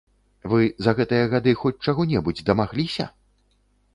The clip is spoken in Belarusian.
Вы за гэтыя гады хоць чаго-небудзь дамагліся?